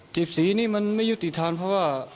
เจ็บสีนี้มันไม่อยู่ติดทั้งเพราะว่า